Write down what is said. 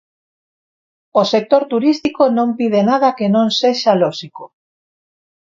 O sector turístico non pide nada que non sexa lóxico.